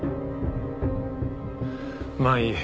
まあいい。